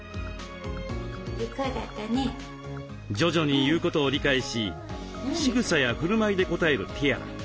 徐々に言うことを理解ししぐさやふるまいで応えるティアラ。